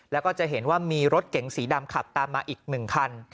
แล้วก็จะเห็นว่ามีรถเก๋งสีดำขับตามมาอีก๑คัน